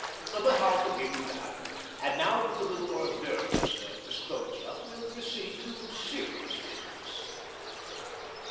But I'll forgive you that, and now that the little hors d'oeuvre is disposed of, we'll proceed to serious business."